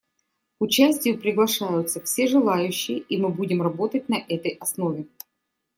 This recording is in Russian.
К участию приглашаются все желающие, и мы будем работать на этой основе.